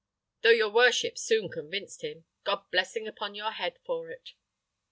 Though your worship soon convinced him: God's blessing upon your head for it!"